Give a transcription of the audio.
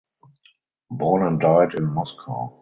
Born and died in Moscow.